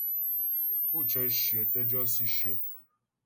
Pú cə́ shyə tə́ jɔ si shyə.